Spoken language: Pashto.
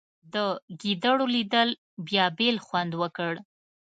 د ګېډړو لیدو بیا بېل خوند وکړ.